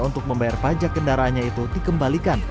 untuk membayar pajak kendaraannya itu dikembalikan